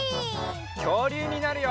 きょうりゅうになるよ！